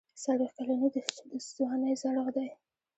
څلوېښت کلني د ځوانۍ زړښت دی.